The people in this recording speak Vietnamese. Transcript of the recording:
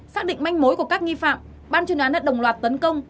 xác định manh mối của các nghi phạm ban chuyên án đã đồng loạt tấn công